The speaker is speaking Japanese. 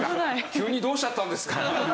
急にどうしちゃったんですか？